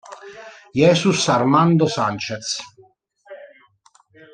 Jesús Armando Sánchez